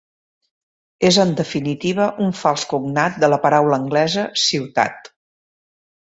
És en definitiva un fals cognat de la paraula anglesa "ciutat".